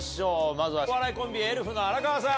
まずはお笑いコンビエルフの荒川さん！